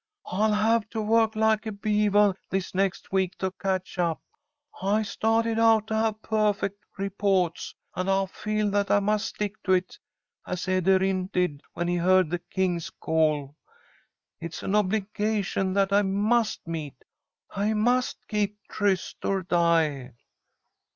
"I'll have to work like a beavah this next week to catch up. I stah'ted out to have perfect repoah'ts, and I feel that I must stick to it, as Ederyn did when he heard the king's call. It is an obligation that I must meet. I must keep tryst or die."